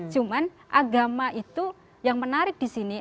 cuman agama itu yang menarik di sini